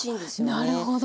あなるほど。